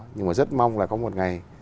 nhưng mà rất mong là có một ngày